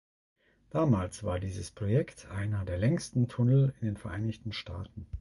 Damals war dieses Projekt einer der längsten Tunnel in den Vereinigten Staaten.